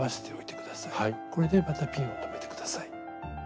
これでまたピンを留めて下さい。